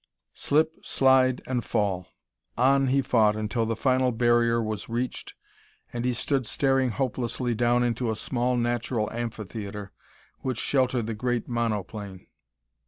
Slip, slide and fall! On he fought until the final barrier was reached and he stood staring hopelessly down into a small natural amphitheater which sheltered the great monoplane.